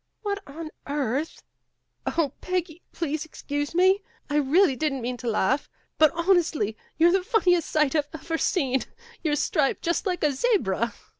"What on earth" "Oh, Peggy, please excuse me. I really did n 't mean to laugh, but honestly you 're the fun niest sight I've ever seen. You're striped just like a zebra."